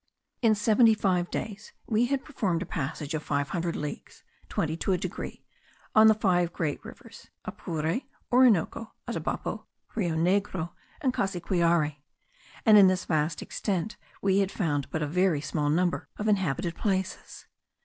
In seventy five days we had performed a passage of five hundred leagues (twenty to a degree) on the five great rivers, Apure, Orinoco, Atabapo, Rio Negro, and Cassiquiare; and in this vast extent we had found but a very small number of inhabited places.